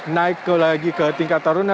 naik lagi ke tingkat taruh